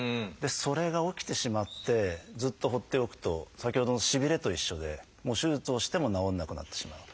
それが起きてしまってずっと放っておくと先ほどのしびれと一緒で手術をしても治らなくなってしまう。